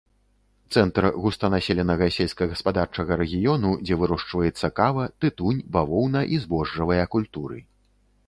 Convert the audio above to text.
Цэнтр густанаселенага сельскагаспадарчага рэгіёну, дзе вырошчваецца кава, тытунь, бавоўна і збожжавыя культуры.